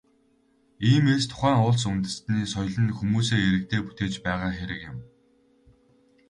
Иймээс, тухайн улс үндэстний соёл нь хүмүүсээ, иргэдээ бүтээж байгаа хэрэг юм.